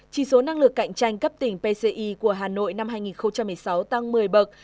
chỉ số năng lực cạnh tranh cấp tỉnh pci của hà nội năm hai nghìn một mươi sáu tăng một mươi bậc